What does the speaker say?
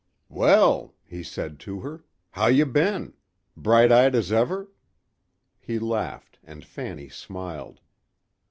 "Well," he said to her, "how you been? Bright eyed as ever." He laughed and Fanny smiled.